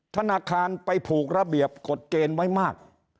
ธนาคารไปผูกระเบียบกฎเกณฑ์ไว้มาก